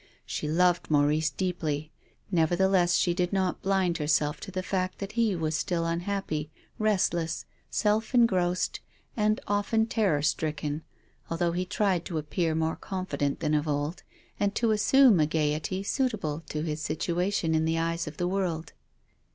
She loved Maurice deeply. Nevertheless she did not blind herself to the fact that he Avas still unhappy, restless, self engrossed and often terror stricken, although he tried to appear more confident than of old, and to assume a gaiety suitable to his situation in the eyes of the world.